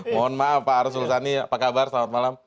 mohon maaf pak arsulsani apa kabar selamat malam